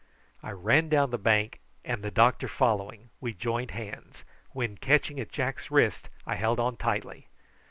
I ran down the bank and the doctor following, we joined hands, when, catching at Jack's wrist, I held on tightly.